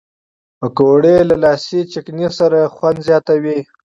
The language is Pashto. پکورې له لاسي چټني سره خوند زیاتوي